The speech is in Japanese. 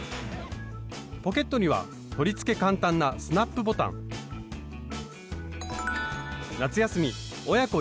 ポケットには取り付け簡単なスナップボタン夏休み親子